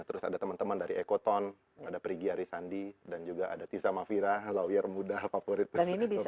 terus ada teman teman dari ecotone ada priggy arisandi dan juga ada tisa mafira lawyer muda favorit